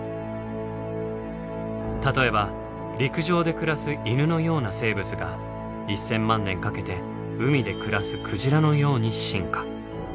例えば陸上で暮らす犬のような生物が１，０００万年かけて海で暮らすクジラのように進化。